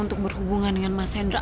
untuk berhubungan dengan mas hendra